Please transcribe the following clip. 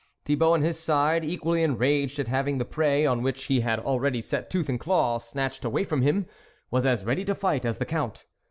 Thibault, on his side, equally enraged at having the prey, on which he had already set tooth and claw, snatched away from him, was as ready to fight as the Count.